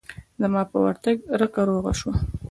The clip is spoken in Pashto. زما په ورتگ رکه روغه سوه.